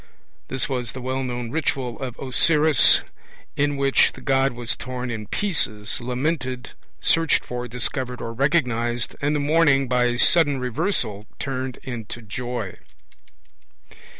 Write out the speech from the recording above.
(1) This was the well known ritual of Osiris, in which the god was torn in pieces, lamented, searched for, discovered or recognized, and the mourning by a sudden Reversal turned into joy.